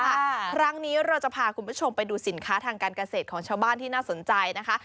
ครั้งนี้เราจะพาคุณผู้ชมไปดูสินค้าทางการเกษตรของชาวบ้านที่น่าสนใจนะคะ